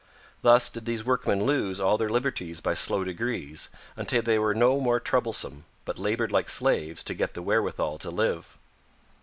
Thus did these workmen lose all their liberties by slow degrees, until they were no more troublesome, but labored like slaves to get the wherewithal to live.